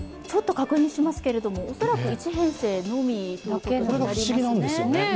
ちょっと確認しますけれども恐らく１編成のみということですね